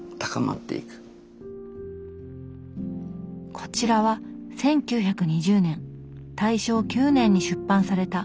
こちらは１９２０年大正９年に出版された「ピノチヨ」。